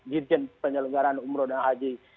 jitin penyelenggaraan umroh dan haji